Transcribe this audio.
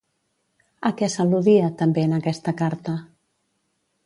A què s'al·ludia també en aquesta carta?